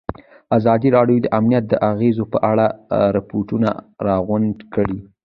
ازادي راډیو د امنیت د اغېزو په اړه ریپوټونه راغونډ کړي.